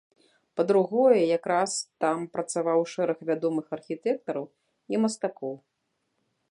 Па-другое, якраз там працаваў шэраг вядомых архітэктараў і мастакоў.